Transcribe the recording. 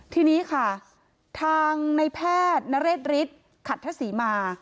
ทีนี้ค่ะทางในแพทย์นเรศฤทธิ์ขัดทะศรีมา